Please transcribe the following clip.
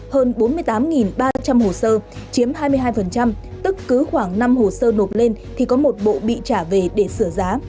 chín ba trăm linh hồ sơ chiếm hai mươi hai tức cứ khoảng năm hồ sơ nộp lên thì có một bộ bị trả về để sửa giá